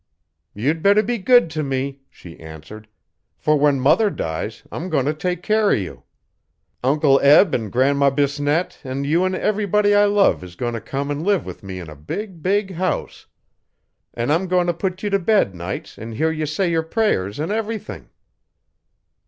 'You'd better be good t' me,' she answered, 'for when mother dies I'm goin' t' take care o' you. Uncle Eb and Gran'ma Bisnette an' you an' everybody I love is goin' t' come an' live with me in a big, big house. An' I'm goin' t' put you t' bed nights an' hear ye say yer prayers an everything.'